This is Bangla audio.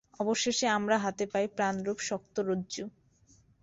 অবশেষে আমরা হাতে পাই প্রাণরূপ শক্ত রজ্জু।